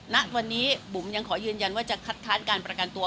ณวันนี้บุ๋มยังขอยืนยันว่าจะคัดค้านการประกันตัว